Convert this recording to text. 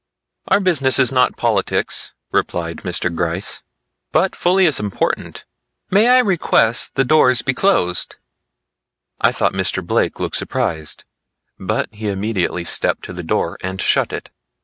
"Our business is not politics," replied Mr. Gryce; "but fully as important. May I request the doors be closed?" I thought Mr. Blake looked surprised, but he immediately stepped to the door and shut it.